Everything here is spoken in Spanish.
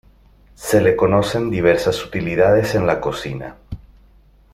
Se le conocen diversas utilidades en la cocina.